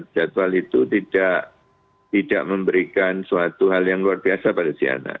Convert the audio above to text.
jadwal itu tidak memberikan suatu hal yang luar biasa pada si anak